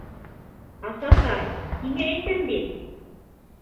Асатай, һиңә әйтәм бит!